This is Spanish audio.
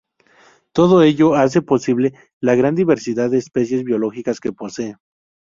Todo ello hace posible la gran diversidad de especies biológicas que posee.